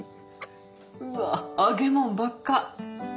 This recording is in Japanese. うわっ揚げもんばっか。